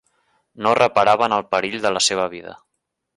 No reparava en el perill de la seva vida.